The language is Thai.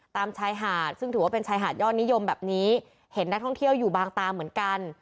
ตามชายหาดซึ่งถือว่าเป็นชายหาดยอดนิยมแบบนี้เห็นนักท่องเที่ยวอยู่บางตาเหมือนกัน